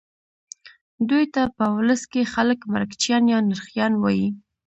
دوی ته په ولس کې خلک مرکچیان یا نرخیان وایي.